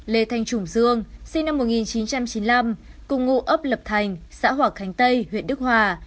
lê thanh trùng dương sinh năm một nghìn chín trăm chín mươi năm cùng ngụ ấp lập thành xã hòa khánh tây huyện đức hòa